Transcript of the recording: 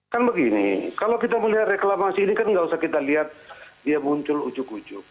kan begini kalau kita melihat reklamasi ini kan nggak usah kita lihat dia muncul ujuk ujuk